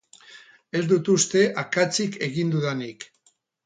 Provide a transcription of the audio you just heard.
Ez dut uste akatsik egin dudanik.